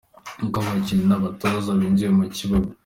Uko abakinnyi n’abatoza binjiye mu kibuga.